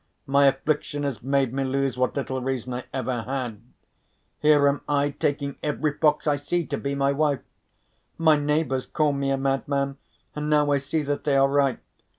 My affliction has made me lose what little reason I ever had. Here am I taking every fox I see to be my wife! My neighbours call me a madman and now I see that they are right.